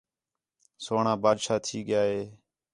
سوہݨاں بادشاہ تھی ڳِیا ہِے